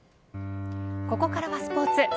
ここからはスポーツ。